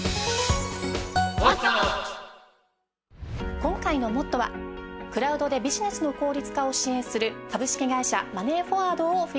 今回の『ＭＯＴＴＯ！！』はクラウドでビジネスの効率化を支援する株式会社マネーフォワードをフィーチャーします。